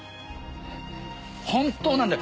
本当なんだよ。